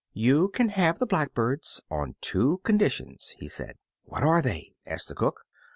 "You can have the blackbirds on two conditions," he said. "What are they?" asked the cook.